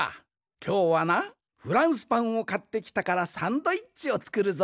きょうはなフランスパンをかってきたからサンドイッチをつくるぞ。